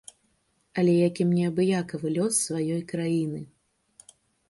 Але якім неабыякавы лёс сваёй краіны.